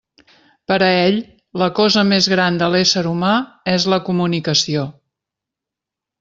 Per a ell, la cosa més gran de l'ésser humà és la COMUNICACIÓ.